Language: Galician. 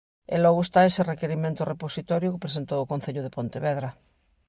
E logo está ese requirimento repositorio que presentou o Concello de Pontevedra.